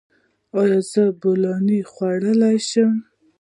ایا زه بولاني وخورم؟